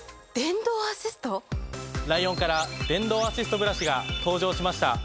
ライオンから電動アシストブラシが登場しました。